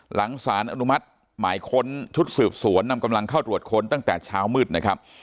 หลังสารอนุมัติหมายค้นชุดสืบสวนนำกำลังเข้าตรวจค้นตั้งแต่เช้ามืดนะครับ